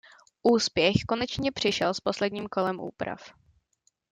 Úspěch konečně přišel s posledním kolem úprav.